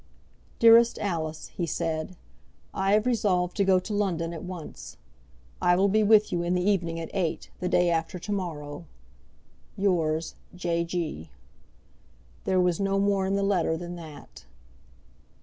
"Dearest Alice," he said, "I have resolved to go to London at once. I will be with you in the evening at eight, the day after to morrow. "Yours, J. G." There was no more in the letter than that.